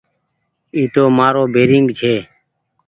اي تو مآرو بيرينگ ڇي۔